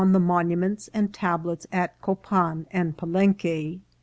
he monuments and tablets at Copan and Palenque.